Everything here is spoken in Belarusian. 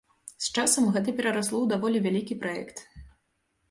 З часам гэта перарасло ў даволі вялікі праект.